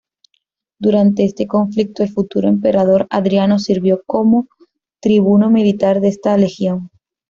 Durante este conflicto, el futuro emperador Adriano sirvió como tribuno militar de esta legión.